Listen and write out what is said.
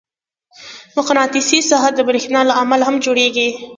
مقناطیسي ساحه د برېښنا له امله هم جوړېږي.